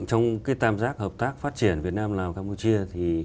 trong tam giác hợp tác phát triển việt nam lào campuchia